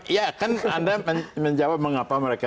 iya kan anda menjawab mengapa mereka